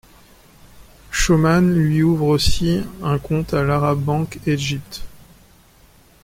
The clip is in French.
Shoman lui ouvre ainsi un compte à l'Arab Bank-Egypt.